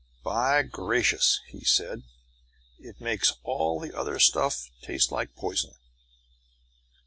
"By gracious," he said, "it makes all the other stuff taste like poison."